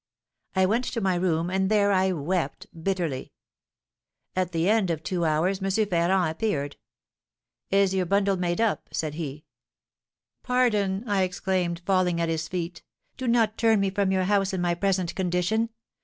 I went to my room, and there I wept bitterly. At the end of two hours M. Ferrand appeared. 'Is your bundle made up?' said he. 'Pardon,' I exclaimed, falling at his feet, 'do not turn me from your house in my present condition.